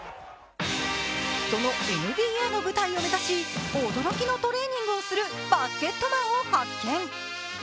そのＮＢＡの舞台を目指し驚きのトレーニングをするバスケットマンを発見。